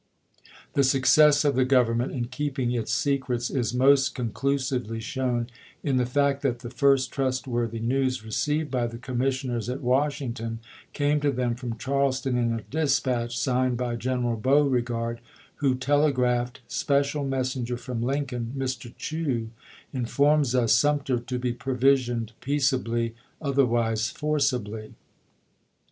The "^^''mI.'""'' success of the Grovernment in keeping its secrets is most conclusively shown in the fact that the first trustworthy news received by the Commissioners at Washington came to them from Charleston, in a dispatch signed by General Beauregard, who tel Beaure ^^ T 1 LL c^ • 1 „ 07 gard to the egiaphed, "Special messenger from Lincoln, Mr. <^9mmis Chew, mforms us Sumter to be provisioned peace ^^'"mI.'^''^ ably, otherwise forcibly."